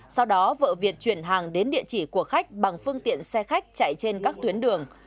sau đó vợ việt chuyển hàng đến địa chỉ của khách bằng phương tiện xe khách chạy trên các tuyến đường